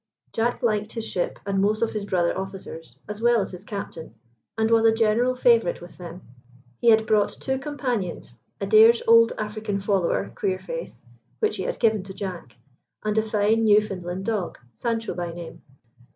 Jack liked his ship and most of his brother officers, as well as his captain, and was a general favourite with them. He had brought two companions, Adair's old African follower, Queerface, which he had given to Jack; and a fine Newfoundland dog, Sancho by name.